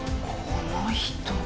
この人。